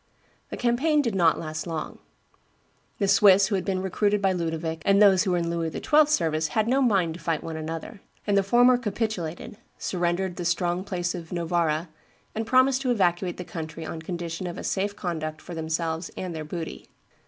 The campaign did not last long. The Swiss who had been recruited by Ludovic and those who were in Louis XII.'s service had no mind to fight one another; and the former capitulated, surrendered the strong place of Novara, and promised to evacuate the country on condition of a safe conduct for themselves and their booty.